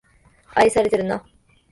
愛されてるな